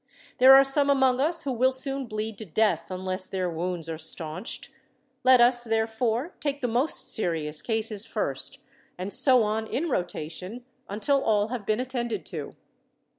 There are some among us who will soon bleed to death, unless their wounds are staunched. Let us, therefore, take the most serious cases first, and so on in rotation until all have been attended to."